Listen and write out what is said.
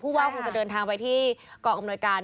ว่าคงจะเดินทางไปที่กองอำนวยการ